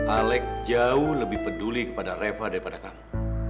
alec jauh lebih peduli kepada reva daripada kamu